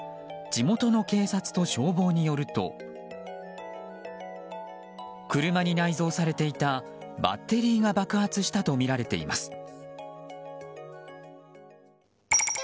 地元の警察と消防によると車に内蔵されていたバッテリーが爆発したとみられています。